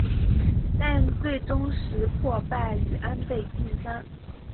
但最终石破败于安倍晋三。